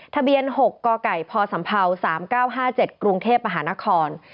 ทะเบียน๖กกพศ๓๙๕๗กรุงเทพมหานคร